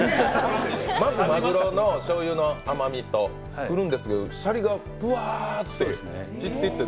まずマグロのしょうゆの甘みがくるんですけど、シャリがぶわーって散っていって。